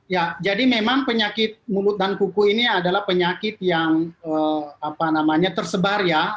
ya jadi memang penyakit mulut dan kuku ini adalah penyakit yang tersebar ya